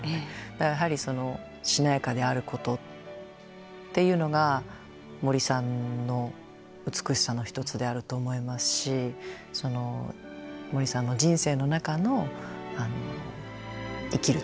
だからやはりしなやかであることっていうのが森さんの美しさの一つであると思いますし森さんの人生の中の生きる力だったんでしょうね。